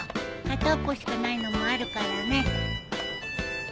片っぽしかないのもあるからね。